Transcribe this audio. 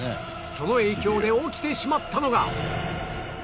その影響で起きてしまったのが